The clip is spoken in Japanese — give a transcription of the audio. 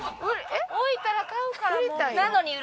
置いたら買うからもう。